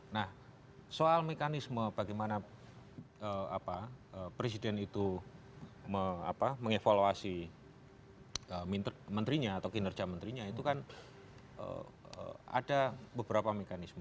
nah soal mekanisme bagaimana presiden itu mengevaluasi menterinya atau kinerja menterinya itu kan ada beberapa mekanisme